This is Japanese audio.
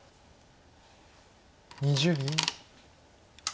２０秒。